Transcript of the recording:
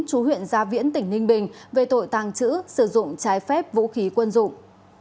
chú huyện gia viễn tỉnh ninh bình về tội tàng trữ sử dụng trái phép vũ khí quân dụng